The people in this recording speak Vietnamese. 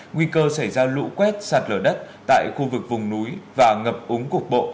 nguy cơ xảy ra lũ quét sạt lở đất tại khu vực vùng núi và ngập úng cục bộ